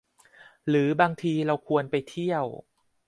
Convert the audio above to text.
หรือบางทีเราควรไปเที่ยว